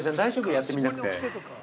やってみなくて。